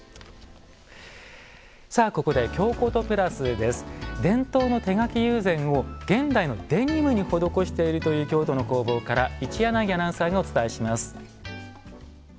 ここで「京コト＋」です。伝統の手描き友禅を現代のデニムに施しているという京都の工房から一柳アナウンサーがお伝えします。